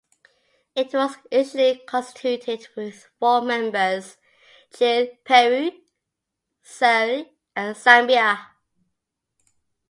It was initially constituted with four members, Chile, Peru, Zaire and Zambia.